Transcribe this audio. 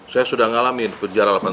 saya sudah ngalamin penjara delapan tahun